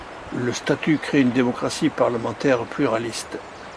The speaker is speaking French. Le statut crée une démocratie parlementaire pluraliste.